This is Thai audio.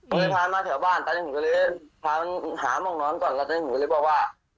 ก็เลยพามาแถวบ้านตอนนี้ผมก็เลยพาหาห้องนอนก่อนแล้วตอนนี้หนูเลยบอกว่า